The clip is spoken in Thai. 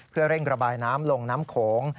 เพื่อเร่งระบายน้ำลงน้ำโขง